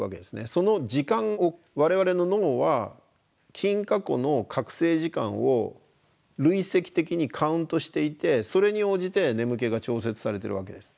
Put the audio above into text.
その時間を我々の脳は近過去の覚醒時間を累積的にカウントしていてそれに応じて眠気が調節されてるわけです。